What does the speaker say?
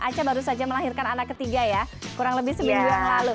aca baru saja melahirkan anak ketiga ya kurang lebih seminggu yang lalu